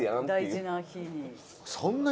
大事な日に。